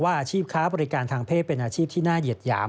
อาชีพค้าบริการทางเพศเป็นอาชีพที่น่าเหยียดหยาม